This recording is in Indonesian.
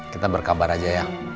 kita berkabar aja ya